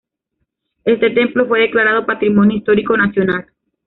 Este templo fue declarado Patrimonio Histórico Nacional.